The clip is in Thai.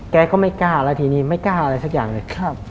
แกก็ไม่กล้าแล้วทีนี้ไม่กล้าอะไรสักอย่างเลย